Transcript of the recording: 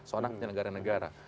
seorang penyelenggara negara